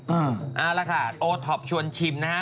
เอาละค่ะโอท็อปชวนชิมนะฮะ